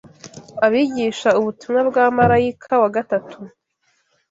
Abigisha ubutumwa bwa marayika wa gatatu